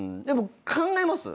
考えます？